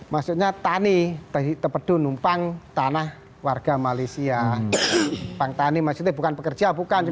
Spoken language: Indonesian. maksudnya tani tadi tepedu numpang tanah warga malaysia bang tani masih bukan pekerja bukan